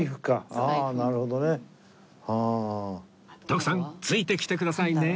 徳さんついてきてくださいね